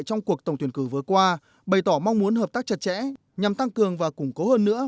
trong cuộc tổng tuyển cử vừa qua bày tỏ mong muốn hợp tác chặt chẽ nhằm tăng cường và củng cố hơn nữa